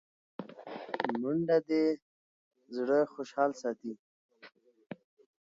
منډه د زړه خوشحال ساتي